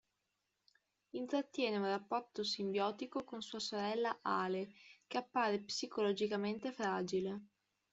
Intrattiene un rapporto simbiotico con sua sorella Ale che appare psicologicamente fragile.